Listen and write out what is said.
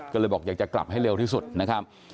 ก็เลยบอกอยากจะกลับให้เร็วที่สุดนะครับ